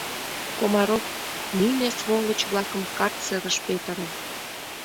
— Комаров, нине сволочь-влакым карцерыш петыре.